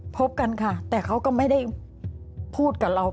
พบกันค่ะแต่เขาก็ไม่ได้พูดกับเรา